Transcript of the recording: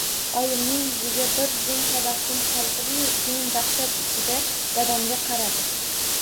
Oyimning yuziga bir zum tabassum qalqidi-yu, keyin dahshat ichida dadamga qaradi.